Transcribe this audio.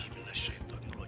ya allah saya berdoa